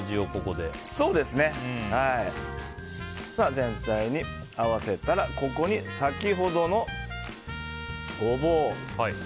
全体に合わせたらここに先ほどのゴボウ。